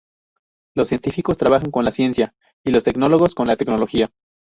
Los científicos trabajan con la ciencia y los tecnólogos con la tecnología.